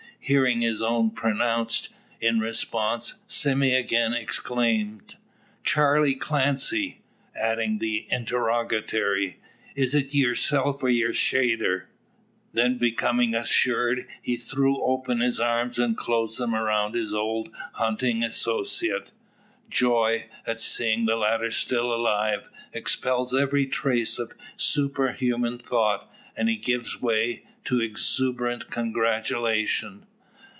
Hearing his own pronounced, in response, Sime again exclaims, "Charley Clancy!" adding the interrogatory, "Is it yurself or yur shader?" Then, becoming assured, he throws open his arms, and closes them around his old hunting associate. Joy, at seeing the latter still alive, expels every trace of supernatural thought, and he gives way to exuberant congratulation.